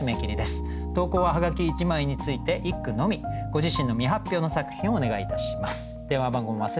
ご自身の未発表の作品をお願いいたします。